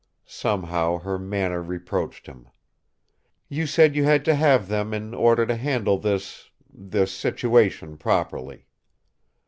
Somehow, her manner reproached him. "You said you had to have them in order to handle this this situation properly.